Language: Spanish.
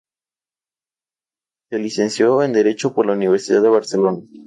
Se licenció en derecho por la Universidad de Barcelona.